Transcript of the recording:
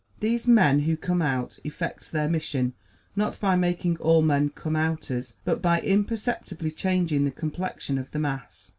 These men who come out effect their mission, not by making all men Come Outers, but by imperceptibly changing the complexion of the mass.